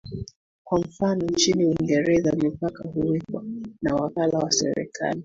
Kwa mfano nchini Uingereza mipaka huwekwa na wakala wa serikali